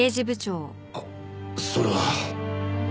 あっそれは。